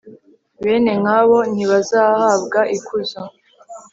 Bene nkabo ntibazahabwa ikuzo